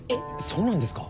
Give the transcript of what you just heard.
そうなんですか？